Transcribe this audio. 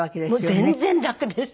全然楽です。